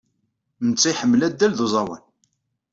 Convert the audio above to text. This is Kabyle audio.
Netta iḥemmel addal ed uẓawan.